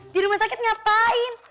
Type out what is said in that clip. di rumah sakit ngapain